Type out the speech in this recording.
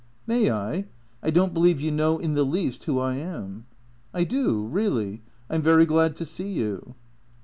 " May I ? I don't believe you know in the least who I am." " I do, really. I 'm very glad to see you."